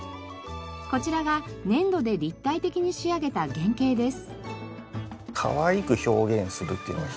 こちらが粘土で立体的に仕上げた原型です。